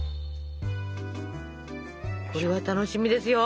これは楽しみですよ。